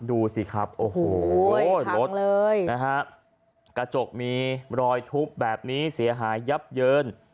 ดูสิครับโอ้โหรถเลยนะฮะกระจกมีรอยทุบแบบนี้เสียหายยับเยิน